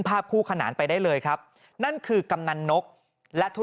ปี๖๕วันเกิดปี๖๔ไปร่วมงานเช่นเดียวกัน